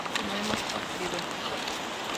no hemos partido